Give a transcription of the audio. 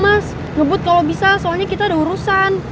mas ngebut kalau bisa soalnya kita ada urusan